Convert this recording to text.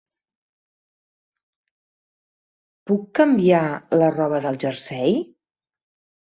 Puc canviar la roba del jersei?